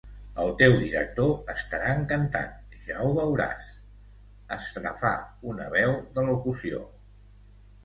El teu director estarà encantat, ja ho veuràs —estrafà una veu de locució—.